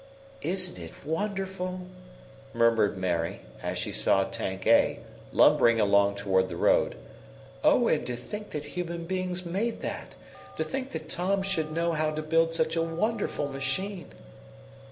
"Isn't it wonderful!" murmured Mary, as she saw Tank A lumbering along toward the road. "Oh, and to think that human beings made that. To think that Tom should know how to build such a wonderful machine!"